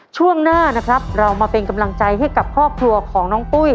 ช่วงหน้านะครับเรามาเป็นกำลังใจให้กับครอบครัวของน้องปุ้ย